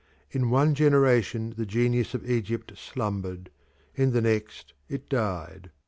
In one generation the genius of Egypt slumbered, in the next it died.